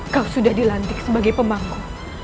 kau sudah dilantik sebagai pemangku